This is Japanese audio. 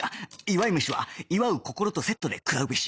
祝い飯とは祝う心とセットで食らうべし